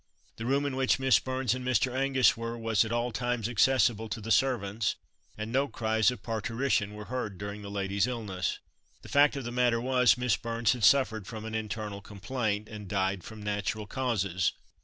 The room in which Miss Burns and Mr. Angus were, was at all times accessible to the servants, and no cries of parturition were heard during the lady's illness. The fact of the matter was, Miss Burns had suffered from an internal complaint, and died from natural causes.